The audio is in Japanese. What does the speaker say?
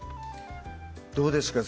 どうですか？